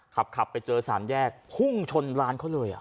ขับไปเจอสามแยกพุ่งชนร้านเขาเลย